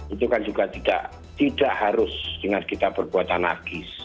itu kan juga tidak harus dengan kita berbuatan nagis